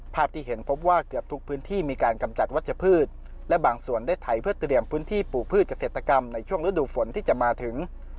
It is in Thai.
ภาพที่เห็นพบว่าเกือบทุกพื้นที่มีการกำจัดวัชพืชและบางส่วนได้ไถเพื่อเตรียมพื้นที่ปลูกพืชเกษตรกรรมในช่วงฤดูฝนที่จะมาถึง